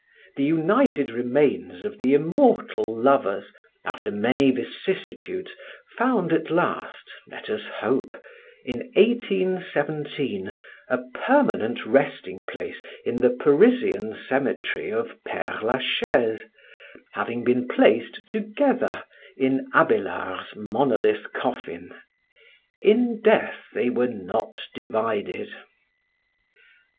The united remains of the immortal lovers, after many vicissitudes, found at last (let us hope), in 1817, a permanent resting place, in the Parisian cemetery of Père Lachaise, having been placed together in Abélard's monolith coffin. "In death they were not divided."